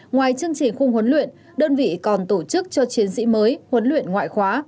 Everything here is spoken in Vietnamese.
ngoài chương trình khung huấn luyện đơn vị còn tổ chức cho chiến sĩ mới huấn luyện ngoại khóa